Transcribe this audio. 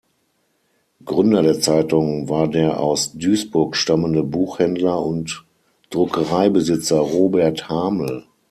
Gründer der Zeitung war der aus Duisburg stammende Buchhändler und Druckereibesitzer Robert Hamel.